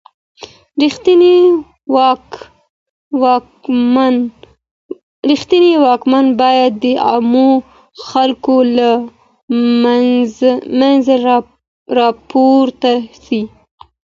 رښتنی واکمن بايد د عامو خلګو له منځه راپورته سي.